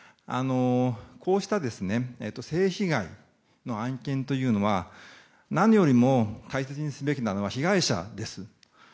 こうした性被害の案件というのは何よりも大切にすべきなのは被害者です。